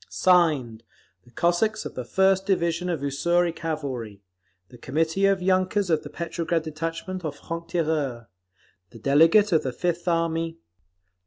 Signed, _The Cossacks of the First Division of Ussuri Cavalry; the Committee of Yunkers of the Petrograd detachment of Franc Tireurs; the delegate of the Fifth Army.